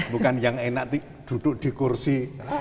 bukan yang enak duduk di kursi